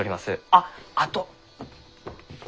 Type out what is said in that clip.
あっあと。